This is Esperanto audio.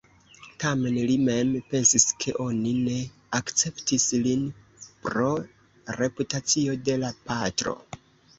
Tamen li mem pensis ke oni ne akceptis lin pro reputacio de la patro.